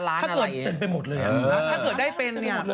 ถ้าเกิดได้เป็นเนี่ย